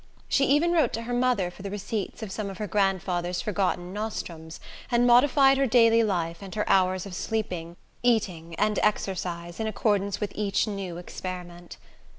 She even wrote to her mother for the receipts of some of her grandfather's forgotten nostrums, and modified her daily life, and her hours of sleeping, eating and exercise, in accordance with each new experiment.